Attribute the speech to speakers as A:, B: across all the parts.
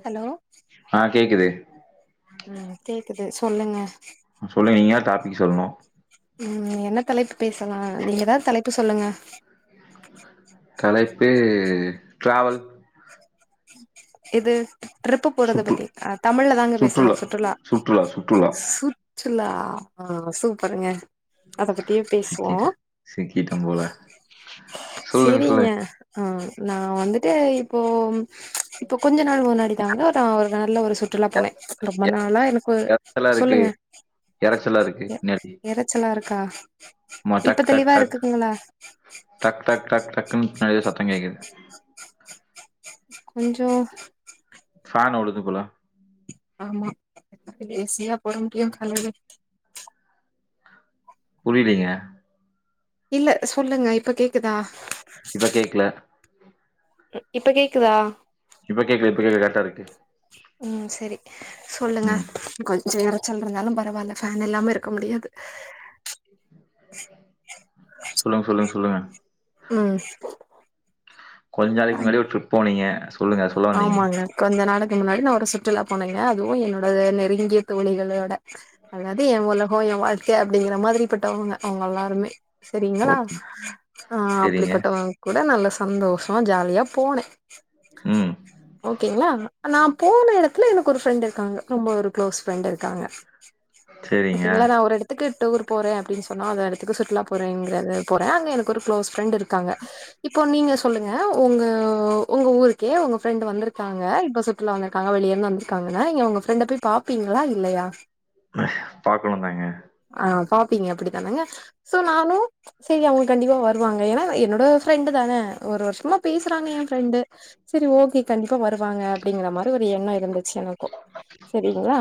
A: Hello
B: ஆ கேக்குது
A: உம் கேக்குது சொல்லுங்க
B: சொல்லுங்க நீங்க டாபிக் சொல்லணு
A: உம் என்ன தலைப்பு பேசலா நீங்க எதாது தலைப்பு சொல்லுங்க
B: தலைப்பு ட்ராவல்
A: எ‌து ட்ரிப்பு போறத
B: சுற்று
A: பத்தி அ தமிழ்ல தாங்க பேசணு சுற்றுலா
B: சுற்றுலா சுற்றுலா
A: சு ற்றுலா ஆஹ் சூப்பருங்க அத பத்தியே பேசுவோ
B: சிக்கிட்ட சிக்கிட்டம்போல
A: சிரிங்க ஆ நா வந்துட்டு இப்போம் இப்பொ கொஞ்ச நாள் முன்னாடி தாங்க நா ஒரு நல்ல ஒரு சுற்றுலா போனே ரொம்ப நாளா எனக்கு
B: எரச்சலா இருக்கு
A: சொல்லுங்க
B: எரச்சலா இருக்கு
A: எ
B: நடி
A: எறச்சலா இருக்கா
B: மா
A: இப்ப
B: டக் டக்
A: தெளிவா
B: டக்
A: இருக்குங்களா
B: டக் டக் டக் டக் டக்னு பின்னாடி எதோ சத்தங்கேக்குது
A: கொஞ்சோ
B: ஃபேன் ஓடுது போல
A: ஆமா ஏசியா போடமுடியு காலைல
B: புரிலைங்க
A: இல்ல சொல்லுங்க இப்ப கேக்குதா
B: இப்ப கேக்லே
A: இப்ப கேக்குதா
B: இப்ப கேக்குது இப்ப கேக்கு கரெட்டா இருக்கு
A: ம் செரி சொல்லுங்க
B: ம்
A: கொஞ்சொ எரச்சல்ருந்தாலு பரவால்ல ஃபேன் இல்லாம இருக்க முடியாது
B: சொல்லுங் சொல்லுங் சொல்லுங்க
A: ம்
B: கொஞ் நாளைக் முன்னாடி ஒரு ட்ரிப் போனிங்க
A: ஆமாங்க கொஞ்சொ நடக் கி முன்னாடி நா ஒரு சுற்றுலா போனேங்க அதுவு என்னோட நெருங்கிய தோழிகளோட அதாவது ஏ ஒலகோ வாழ்க்கை அப்டிங்கிற மாதிரி பட்டவங்க அவங்க எல்லாருமே
B: ஓ
A: செரிங்களா ஆஹ்
B: செரிங்க
A: அப்டிப்பட்டவங் கூட நல்லாஸ் சந்தோஷோ ஜாலியா போனே
B: ம்
A: ஓகேங்ளா நா போன எடத்துல எனக்கு ஒரு ஃப்ரெண்ட் இருக்காங்க ரொம்ப ஒரு க்ளோஸ் ஃப்ரெண்ட் இருக்காங்க
B: செரிங்க
A: ஓகேங்ளா நா ஒரு எடத்துக்கு டூர் போறே அப்டின்னு சொன்னா அது எடத்துக்கு சுற்றுலா போறேங்றது போறே அங்க எனக்கு ஒரு க்ளோஸ் ஃப்ரெண்ட் இருக்காங்க இப்பொ பொ நீங்க சொல்லுங்க ஒங்க ஒங்க ஊருக்கே ஒங்க ப்ரெண்டு வந்துருக்காங்க இப்ப சுற்றுலா வந்துருக்காங்க வெளியருந்து வந்துருக்காங்கனா நீங்க ஒங்க ஃப்ரெண்ட பொய் பாப்பிங்களா இல்லையா
B: பாக்கணுந்தாங்க
A: தனங்க சோ நானூ சேரி அவுங்க கண்டிப்பா வருவாங்க ஏனா என்னோட ஃப்ரெண்டு தான ஒரு வருஷமா பேசுறாங்க ஏ ஃப்ரெண்டு சரி ஓகே கண்டிப்பா வருவாங்க அப்டிங்குற மாரி ஒரு எண்ணொ இருந்து எனக்கு செரிங்ளா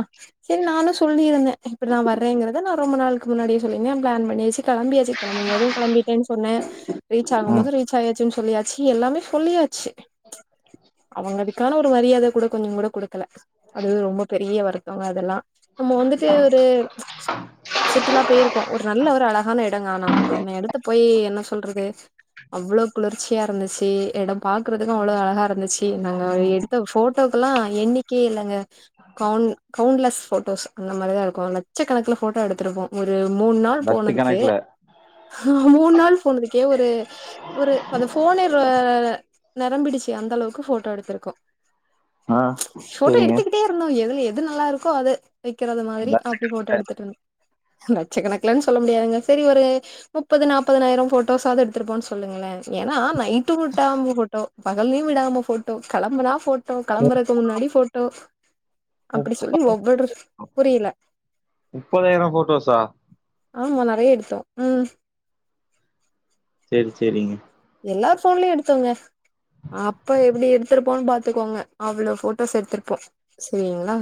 A: செரி நானூ சொல்லியிருந்தே இப்டி நா வர்ரேங்றத நா ரொம்ப நாள்க்கு முன்னாடியே சொல்லிருந்தே பிளான் பண்ணியச்சி கெளம்பியாச்சி கெளம்பும்போதே கெளம்பிட்டேன் சொன்னே ரீச்
B: ம்
A: ஆகும்போது ரீச் ஆயாச்சுன் சொல்லியாச்சி எல்லாமே சொல்லியாச்சி அவங்களுக்கான ஒரு மரியாத கூட கொஞ்சொங்கூட குடுக் த்துல அது ரொம்ப பெரிய வருத்தவங்க அதெல்லா நம்ம வந்துட்டு ஒரு சுற்றுலா போயிருக்கோ ஒரு நல்ல ஒரு அழகான எடங்க ஆனா அந்த எடத்த போய் என்ன சொல்றது அவ்ளோ குளிர்ச்சியா இருந்துச்சு எடோ பாக்குறதுக்கு அவ்ளோ அழகா இருந்துச் சு நாங்க எடுத்த போட்டோக்குலா எண்ணிக்கியே இல்லங்க கவுண் கவுண்டலெஸ் போட்டோஸ் அந்த மாரிதா இருக்கு லட்சக்கணக்குலா போட்டோ எடுத் திருப்போ ஒரு மூண் நாள்
B: லட்ச
A: போனதுக்கு
B: கணக்குல
A: மூண் நாள் போனதுக்கே ஒரு ஒரு அந்த ஃபோனே ரோ நெரம்பிடுச்சு அந்த அளவுக்கு போட்டோ எடுத்திருக்கோ
B: ஆ
A: போட்டோ
B: செரிங்க
A: எடுத்துக்கிட்டே இருந்தோ எதுல எது நல்லா இருக்கோ அது வைக்கறது மாதரி அப்டி போட்டோ
B: லட்சக்கணக்குல
A: எடுத்துட்ருந் லட்சக்கணக்கலன்னு சொல்ல முடியாதுங்க செரி ஒரு முப்பது நாப்பதாயிர போட்டோஸாசவுது எடுத்துருப்போ சொல்லுங்களே ஏன்னா நைட் டுவுட்டாம போட்டோ பகலையு விடாம போட்டோ கெளம்புனா போட்டோ கெளம்புறக்கு முன்னாடி போட்டோ அப்டி சொல்லி ஒவ்வொரு புரியில
B: முப்பதாயிரோ போட்டோஸா
A: ஆமா நறைய எடுத்தோ ம்
B: செரி செரிங்க
A: எல்லார் ஃபோன்லயு எடுத்தோங்க அப்ப எப்படி எடுத்திருப்போன்னு பாத்துக்கோங்க அவ்ளோ போட்டோஸ் எடுத்திருப்போ செரிங்களா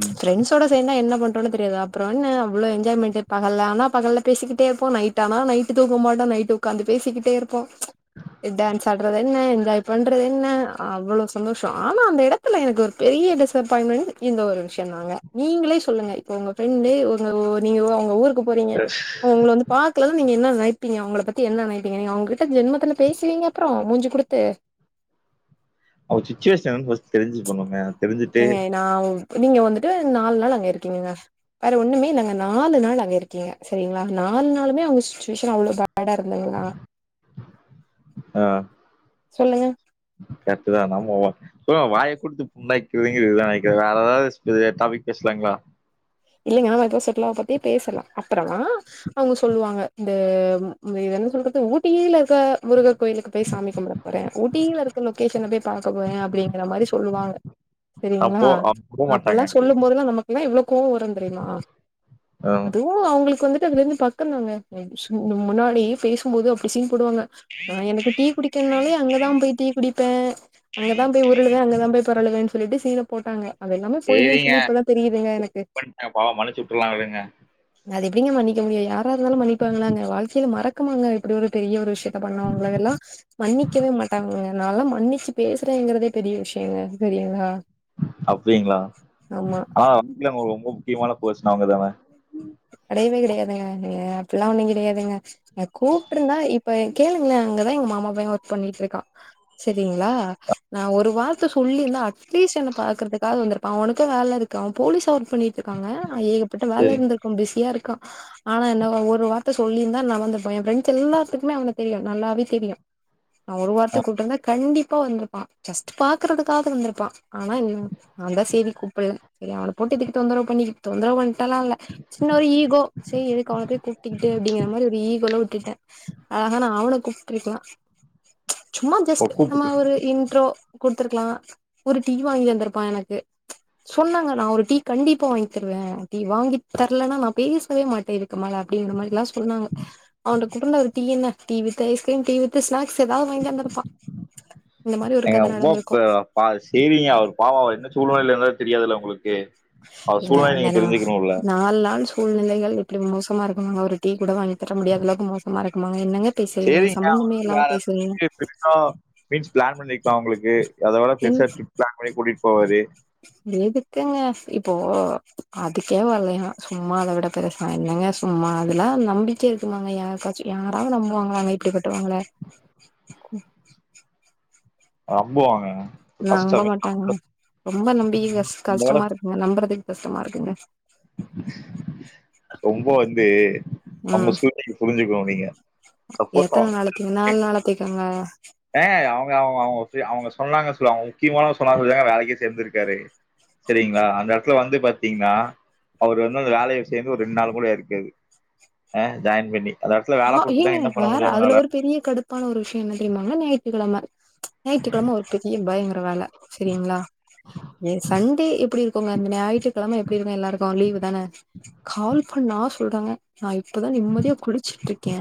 B: ம்
A: ஃப்ரண்ட்ஸோட சேந்தா என்ன பண்றோண்ணு தெரியாது அப்றோ என்ன அவ்ளோ என்ஜாய்மெண்ட் பகல்ல ஆன பகல்ல பேசிகிட்டே இருப்போ நைட் ஆனா நைட்டு தூக்கம டோ நைட்டு உக்காந்து பேசிக்கிட்டே இருப்போ எ டான்ஸ் ஆடுறது என்ன என்ஜாய் பண்றது என்ன அவ்ளோ சந்தோஷ ஆனா அந்த எடத்துல எனக்கு ஒரு பெரி ய பெரிய டிஸப்பாயின்மென் இந்த ஒரு விஷ்யோதாங்க நீங்களே சொல்லுங்க இப்ப உங்க ஃப்ரண்டு உங்க ஒ நீங்க உங்க ஊரு க்கு போறீங்கங்க உங்கள வந்து பாக்கலனா நீங்க என்ன நைப்பீங்க உங்கள பத்தி என்ன நை ப்பிங்க நீங்க அவுங்கிட்ட ஜென்மத்துல பேசுவீங்க அப்றோ மூஞ்சு குடுத்து
B: அவச்சுவேஷன் என்னனு ஃபாஸ்ட் தெரிஞ்சு பண்ணுங்க தெரிஞ்சுட்டே
A: இப்ப நீங்க வந்துட்டு நாலு நாள் அங்க இருக்கீங்கங்க வேற ஒண்ணுமே நாங்க நாலு நாள் அங்கருக்கீங்க செரிங்களா நா நாள் நாளுமே அவுங்க சுச்சுவேஷ அவ்ளவு பேடா இருந்தங்களா சொல்லுங்க
B: கரெட்டு தா நம்ம ஒ சோ வாய குடுத்து புண்ணாக்கிறதுங்கிறது இதுதா நெனைக்கிறே வேற ஏதாவது இது டாபிக் பேசுல ங்களா
A: இல்லைங்க அவுங்க இப்போ செட்டுலாவ பத்தி பேசலா அப்பறோ அவுங்க சொல்லுவாங் இந்த என்ன சொல்றது ஊட்டியில இருக்க முருகர் கோயிலுக்கு போய் சாமி கும்பிட போறே ஊட்டியில இருக் க லொகேஷன போய் பாக்க போறே அப்டிங்கிற மாரி சொல்லுவாங்க செரிங்களா
B: அப்போ அவங்க போ
A: அப்பெல்லா
B: மாட்டாங்க எனக்கு
A: சொல்லு போதெல்லா நமக்குல்லா எவ்ளோ கோவ வரு தெரியுமா
B: ஆ
A: அதுவு அவு ங்களுக்கு வந்துட்டு அங்க இருந்து பக்கோதாங்க ம் சு முன்னாடியே பேசுபோது அப்டி சீன் போடுவாங்க அ எனக்கு டீ குடிக்கனாலே அங்கதா போய் டீ குடிப்பே அங்கதா போய் உருளுவே அங்கதா போய் பொறளு வே சொல்லிட்டு சீன போட்டாங்க அது எல்லாமே பொய்யு சொல்லி இப்பதா தெரியுதுங்க எனக்கு
B: எங்க பாவோ மன்னிச்சு விட்ருலா விடுங்க
A: அது எப்டிங்க மன்னிக்க முடியு யாரா இருந்தாலு மன்னிப்பாங்களாங்க வாழ்க்கையில மறக்குமாங்க இப்டி ஒரு பெரிய ஒரு விஷ்யத்த பண்ணாவங்கள எல் லா மன்னிக்கவே மாட்டாங்கங்க நாலா மன்னிச்சு பேசுறேங்கறதே பெரிய விஷ்யங்க தெரியுங்களா
B: அப்டிங்களா ஆ சமீபத்துல உங்களுக் ரொம்ப முக்கியமான பர்சன் அவுங்கதான
A: கடையவே கடையாதுங்க நீங்க அப்டிலா ஒண்ணு கிடையாதுங்க ஏங் கூப்டுருந்தா இப்ப கேளுங்களே அங்கதா எங்க மாமாபைய ஒர்க் பண்ணிட்டு இருக்கா செரிங்களா நா ஒரு வார்த்த சொல்லிருந்தா அட்லீ லிஸ்ட் என்ன பாக்கறதுக்காக வந்திருப்பா அவனுக்கு வேல இருக்கு அவன் போலீஸா ஒர்க் பண்ணிகிட்ருக்காங்க ஏகப்பட்ட வேல
B: சேரி
A: இருந்திரு பிஸியா இருக்கா ஆனா என்ன ஒரு வார்த்த சொல்லிருந்தா நா வந்துருப்ப என் ஃப்ரண்ட்ஸ் எல்லாத்துக்குமே அவன தெரியு நல்லா வே தெரியு நா ஒரு வார்த்த
B: ஆ
A: கூப்பிட்ருந்த கண்டிப்பா வந்திருப்பா ஜஸ்ட் பாக்குறதுக்காவுது வந்திருப்பா ஆனா இவங் நா தா செரி கூப்பிடல செரி அவன போட்டு எதுக்கு தொந்தரோ பண்ணிகிட் தொந்தரோ பண்ணிட்டாலா இல்ல சின்ன ஒரு ஈகோ செரி எதுக்கு அவனு போய் கூப்டுகிட்டு அப்டிங்கிற மாரி ஒரு ஈகோல வுட்டுட்டே அழகா நா அவனக் கூப்ட்ருக்கலா சும்மா ஜஸ்ட்
B: கூப்புட்டு
A: நம்ம ஒரு இன்ட்ரோ குடுத்துருக்கலா ஒரு டீ வாங்கிந்துருப்பா எனக்கு சொன்னாங்க நா ஒரு டீ கண்டிப்பா வாய்ங்க்தருவ அப்டி வாங்கித் தர்லனா நா பேஸ்வே மாட்ட இதுக்குமேல அப்டிங்கிற மாரிலா சொன்னாங்க அவன்ட குட்ருந்தா ஒரு டீ என்ன tea with ice cream tea with snacks ஏதா வாங்கியாந்திருப்பா
B: எங்க உவப்ப பா சேரிங்க அவர் பாவ அவ என்ன சூழ்நிலையில இருந்தாரு தெரியாதுல்ல உங்களுக்கு அவர்
A: ஏங்க
B: சூழ்நிலை
A: அந்த
B: நீங்க
A: ந
B: தெரிஞ்சுக்கணும்ல
A: நால் நாள் சூழ்நிலைகள் இப்டி மோசமா இருக்கனுங்க ஒரு டீ கூட வாங்கி தர முடியாத அளவுக்கு மோசமா இரு
B: சேரிங்க அவுங்க வேற
A: பேசுறீங்க
B: [unintelligible] மீன்ஸ் பிளான் பண்ணி அவுங்ளுக்கு அத விட
A: என்
B: பெருசா ட்ரிப் பிளான் பண்ணி கூட்டிட் போவாரு
A: [inaudible] எதுக்குங்க இப்போ அதுக்கே வலைய சும்மா அத விட பெருசா என்னங்க சும்மா அதுலா நம்பிக்கை இருக்குமாங்க யாருக்காச்சு யாராவது நம்புவாங்களாங்க இப்டி பட்டவங்கள. கு
B: நம்புவாங்கங்க.
A: நம்ப மாட்டாங்க ரொம்ப நம்பிக்க கஷ்
B: இந்த வேலை
A: கஷ்டமா இருக்குங்க நம்புறதுக்கு கஷ்டமா இருக்குங்க
B: [inaudible] ரொம்ப வந்து அவுங்க
A: ம்
B: சூழ்நிலை புரிஞ்சுக்குனு நீங்க சப்போஸ்
A: எத்தன நாளைக்கிங்க நால் நாளத்தைங்காங்க.
B: ஏங்க அவுங்க அவுங்க அவுங்க ஃபி அவுங்க சொன்னாங்க ஸ்லோ அவுங்க முக்கியமானத சொன்னாங்க சொல்தாங்க வேலைக்கே சேந்திருக்காரு சரிங்ளா அந்த எடத்ல வந்து பாத் த்திங்னா அவரு வந்து அந்த வேலைல சேந்து ஒரு ரெண் நாள் கூட இருக்காது. அ.. ஜாயின் பண்ணி அந்த இடத்துல வேல
A: ஆ ஏங்க
B: குடுத்துட்டாங்க. என்ன பண்ண
A: வேற
B: முடியும்
A: அதுல
B: அவங்கனால?
A: ஒரு பெரிய கடுப்பான ஒரு விஷ்ய என்னத் தெரியுமா ஒன்னு ஞாயித்துக்கெழம ஞாயிற்றுக்கெழம ஒர்க்கு இ எம் பயங்கற வேல சரிங்ளா எ சண்டே எப்டி இருக்குங்க அந்த ஞாயிற்றுக்கெழம எப் ப்டி இருக்கு எல்லாருக்கு லீவு தான கால் பண்ணா சொல்றாங்க நா இப்பதா நிம்மதியா குளிச் ச்சிட்ருக்கே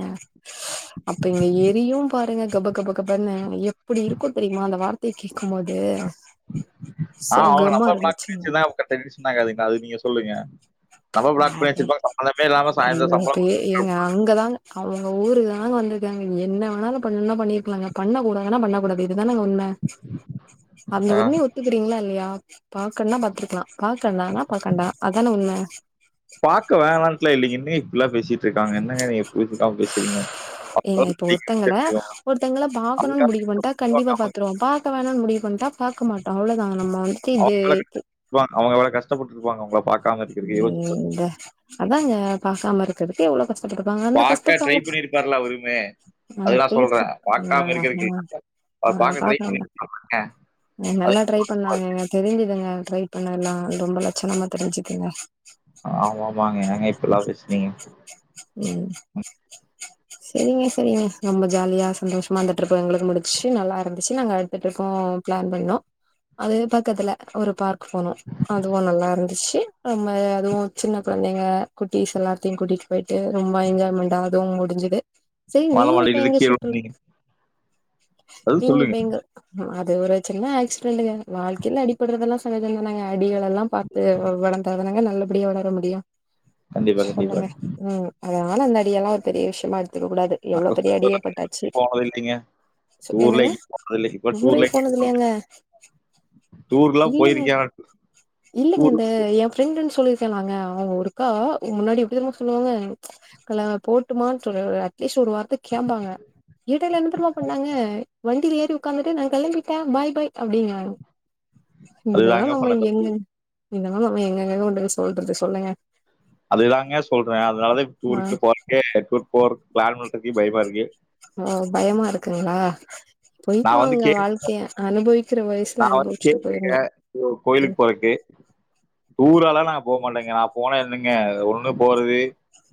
A: அப்ப இங்க எரியும் பாருங்க கப கப கபனு எப்டி இருக்கு தெரிமா அந்த வார்த்தைய கேட்கும்போது
B: ஆ அவுங்க நம்பர் பிளாக் பண்ணி வச்சுதாங்க [unintelligible] சொன்னாங்க அதுக்கு நீங்க சொல்லுங்க நம்பர் பிளாக் பண்ணி
A: அட
B: வச்சிருப்பாங்க. சம்பந்தமே இல்லாம
A: ஏ
B: சாயந்தரம்
A: இப்பே
B: சம்பளம்
A: எங்க அங்கதாங்க அவ ஊருக்கு தாங்க வந்திருக்காங்க என்ன வேணாலு பண்ணா பண்ணிருக்லாங்க பண்ண கூடாதுனா பண்ண கூடாது. இது அதானங்க உண்ம அந்த
B: ஆ.
A: உண்மைய ஒத்துகிறிங்ளா இல்லையா பாக்கன்னா பாத்ருக்கலா பாக்கண்டானா பாக்கண்டா அதான உண்ம
B: பாக்க வேணான்ட்லா இல்லிங்க. என்னங்க இப்பில்லா பேசிட்ருக்காங்க. என்னங்க நீங்க இப்பி பிட்டாம பேசிறிங்க
A: ஏங்க இப்ப ஒருத்தங்கள ஒருத்தங்கள பாக்கணுனு
B: அவங்களுக்காக
A: முடிவு பண்ட்டா
B: இருப்பாங்க.
A: கண்டிப்பா பாத்துருவோ பாக்க வேணான்னு முடிவுப் பண்ட்டா பாக்க மாட்டோ அவ்ளோதா நம்ம வந்துட்டு இது
B: கஷ்டப் பட்ருப்பாங்க. உங்ள பாக்
A: உம் இந்த அதாங்க பாக்காம இருக்கறதுக்கு எவ்ளோ கஷ் பட்டுடுப்பாங்க அந்த
B: பாக்க
A: கஷ்டத்த
B: ட்ரை
A: அவுங்க.
B: பண்ணிருப்பார்ல அவருமே.
A: அ
B: அது நான்
A: பேச்சு
B: சொல்றேன்.
A: அ
B: பாக்காம
A: அ
B: இருக்கிறதுக்கு
A: ஆ
B: அவர் பாக்க ட்ரை
A: பாக்லாம்ல
B: பண்ணிருப்பாங்க. அது
A: ட்ரை பண்ணாங்கங்க தெரிஞ்சுதுங்க ட்ரை பண்ணலா ரொம்ப லட்சணமா தெரிஞ்சிக்கங்க
B: ஆமா ஆமாங்க. ஏங்க இப்படிலாம் பேசுறீங்க?
A: உம் சரிங்க சரிங்க நம்ப ஜாலியா சந்தோஷமா இந்த ட்ரிப்பு எங்ளுக்கு முஞ்ச்சு நல்லா இருந்துச்சு நாங்க அடுத்த ட்ரிப்பு ம் பிளான் பண்ணோ அது பக்கத்துல ஒரு பார்க் போனோ அதுவு நல்லாருந்துச்சு ரொம்ப அதுவு சின்ன குழந்தைங்க குட்டிஸ் எல்லாத்தையு கூட்டிட்டு போயிட்டு ரொம்ப என்ஜாய்மெண்ட்டாகு தும் முடிஞ்சது சரி
B: மலை
A: நீங்க இப்ப
B: மண்டையிலிருந்து
A: எங்க
B: கீழ
A: சுட்டுல
B: விழுந்தீங்க. அது
A: நீங்க இப்ப
B: சொல்லுங்க.
A: எங்கிருக் அ இது ஒரு சின்ன ஆக்சிடென்டுங்க வாழ்கைல அடிப்பட்றதெலா சகஜதானங்க அடிகள்லெல்லா பாத்து வ வளந் அப்பதானங்க நல்லபடியா வளர முடியு
B: கண்டிப்பா, கண்டிப்பா.
A: சொல்லுங்க ம் அ இதனால அந்த அடியெல்லா ஒரு பெரிய விஷயமா எடுத்துக்க கூடாது எவ்ளோ
B: அப்ப
A: பெரிய
B: சுற்றுலா
A: அடியே பட்டாச்சு
B: எங்கேயும் போனது இல்லைங்க.
A: ச்சோ
B: டூர்ல
A: என்னங்க
B: எங்கயும் போனது இல்ல. இப்ப
A: டூரே
B: டூர்ல எங்கயும் போனது
A: போனதில்லையாங்க
B: டூர்லாம்
A: இல்லிங்க
B: போயிருக்கேன். ஆனா
A: இல்லிங்க
B: டூர்
A: அந்த எ ஃப்ரண்டு சொல்லிருக்கேனாங்க அவ ஒருக்கா உங் முன்னாடி எப்டி தெரிமா சொல்வாங்க தல போட்டுமான் சொல்லு அட்லீஸ்ட் ஒரு வார்த்த கேப்பாங்க எடைல என்ன தெரிமா பண்ணாங்க வண்டில ஏறி உக்காந்துட்டு நா கெளம்பிட்டே பாய் பாய் அப்டிங்றாங் இதெல்லா
B: அதுதாங்க
A: நம்ம
B: பண்ண தப்பு.
A: எங்கங் இதெல்லா நம்ம எங்கங்க கொண்டு போய் சொல்றது சொல்லுங்க
B: அதுதாங்க சொல்ற அதனாலதா இப்
A: ஆ
B: டூருக்கு போறக்கே டூர் போறக்கு ப்ளான் பண்றக்கே பயமாருக்கு
A: ஓ பயமா இருக்குங்ளா போய்ட்டு
B: நான் வந்து
A: வாங்க
B: கேட்
A: வாழ்க்கைய அனுபவிக்ற வயசுல
B: நான் வந்து
A: அனுபவிச்சுட்டு போயர்னு
B: கேட்டுருக்கேன்.
A: ம் ஆஹ [inaudible]
B: டூரெலா நாங் போ க மாட்டங்க நா போனா என்னங்க அது ஒண்ணு போறது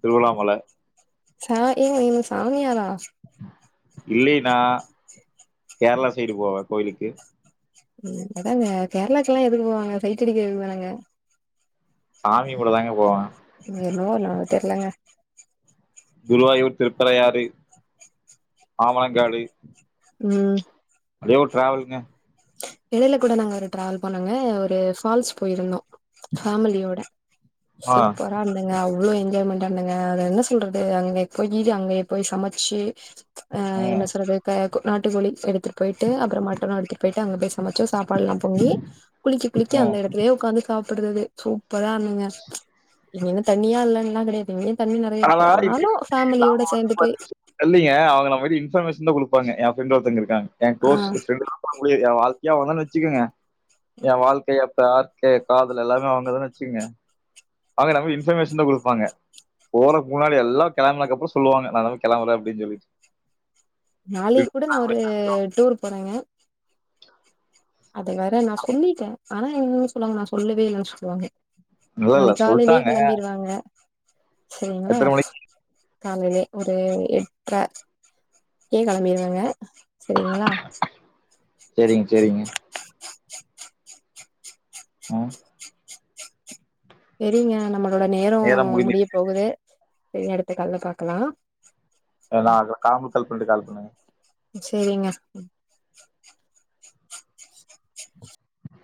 B: திருவண்ணாமல
A: ஆ ஏங்க நீங்க சாமியாரா
B: இல்லினா கேரளா சைடு போவே கோயிலுக்கு
A: அதாங்க கேரளாக்கு எல்லா எதுக்கு போவாங்க சைட்டு அடிக்கறதுக்கு தானங்க
B: சாமி கும்பட தாங்க போவ
A: நி என்னவோ நா தெர்லங்க
B: குருவாயூர் திருப்பரையாறு ஆமலங்காடு
A: ம்
B: அதே ஒரு டிராவல்ங்க
A: எடையில கூட நாங்க ஒரு டிராவல் போனோங்க ஒரு ஃபால்ஸ் போயிருந்தோ ஃபேமிலியோட
B: ஆ,
A: சூப்பரா இருந்தங்க அவ்ளோ என்ஜாய்மென் ன்னங்க அத என்ன சொல்றது அங்கே போயி அங்கயே போயி சமைச்சு ஆ
B: ம்,
A: என்ன சொல்றது க நாட்டு கோழி எடுத்துட் போய்ட்டு அப்புற மட்டனு போய்ட்டு அங்க போய் சமைச்சு சாப்பாடெலா பொங்கி குளிக்க குளிக்க அந்த
B: ம்.
A: எடத்துலயே உக்காந்து சாப்படறது சூப்பரா இருந்துங்க இங்கென்ன தண்ணியா இல்லன்ல்லா கெடையாது தண்ணி நெறைய இருக்கு
B: அதல்லா [inaudible]
A: ஆனாலு ஃபேமிலியோட சேந்து போய்
B: இல்லிங்க அவங்கள மாரி இன்பர்மேஷன் தா குடுப்பாங்க எ ஃப்ரண்ட் ஒருத்தங்க இருக்காங்க என்
A: ஆ
B: க்ளோஸ் ஃப்ர [inaudible] எ வாழ் எ ஒரு நாள் வச்சுக்குங்க எ வாழ்க்கை எ தார்க்கு காதல் எல்லாமே அவுங்கதான் வச்சுக்குங்க அங்க நம்ம இன்ஃபர்மேஷன் தா குடுப்பாங்க போறக் முன்னாடி எல்லா கெளம்புனதுக்கப்புற சொல்லுவாங்க நாங்களா கெளம்பறே அப்டின் சொல்லிட்
A: நாளைக் கூட நா ஒரு டூர் போறங்க அத வேற நா சொல்லிட்டே ஆனா என்னனு சொல்லுவாங்க நா சொல்லவே இல்லன் சொல்வாங்க
B: இல்ல, இல்ல
A: நாளைக் காலைலயே
B: சொல்ட்டாங்க.
A: கிளம்பிருவங்க சரிங்ளா
B: எத்தன மணிக்கு?
A: காலைலே ஒரு எட்ற கே கெளம்பிருவங்க சரிங்களா
B: செரிங்க சேரிங்க ம்.
A: செரிங்க நம்மளோட நேரோ
B: நேரம் முடிந்து
A: முடிய போகுது செரிங் அடுத்த கால்ல பாக்கலா
B: நா அதுல காம்பு கால் பண்ணிட்டு கால் பண்ணுங்க
A: செரிங்க